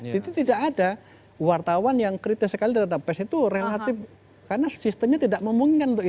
jadi tidak ada wartawan yang kritis sekali terhadap pens itu relatif karena sistemnya tidak memungkinkan untuk itu